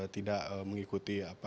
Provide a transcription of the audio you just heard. tidak mengikuti apa